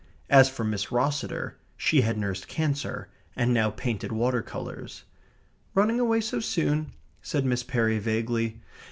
As for Miss Rosseter, she had nursed cancer, and now painted water colours. "Running away so soon?" said Miss Perry vaguely.